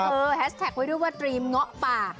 แฮชแท็กไว้ด้วยว่าตรีมเงาะป่า